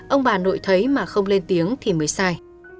ông bà nội thấy mà không lên tiếng thì mới sai